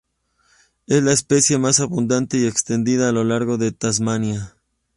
Es la especie más abundante y extendida a lo largo de Tasmania.